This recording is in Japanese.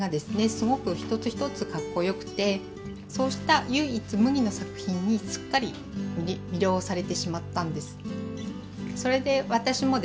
すごく一つ一つかっこよくてそうした唯一無二の作品にすっかり魅了されてしまったんです。